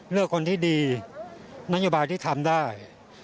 เลือกคนที่ดีนโยบายที่ทำได้